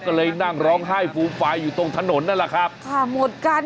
ก็เลยนั่งร้องไห้ฟูมฟายอยู่ตรงถนนนั่นแหละครับค่ะหมดกัน